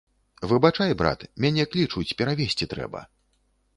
Выбачай, брат, мяне клічуць, перавезці трэба.